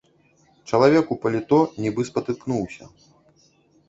Чалавек у паліто нібы спатыкнуўся.